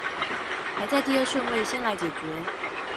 排在第二順位先來解決